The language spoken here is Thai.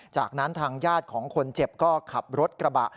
จากนั้นทางญาติของคนเจ็บก็ขับรถกระบะ